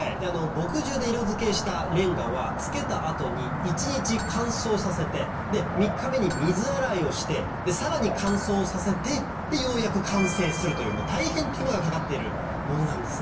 墨汁で色付けしたれんがはつけた後に一日乾燥させて３日目に水洗いをしてさらに乾燥させてようやく完成するという大変手間がかかってるものなんですね。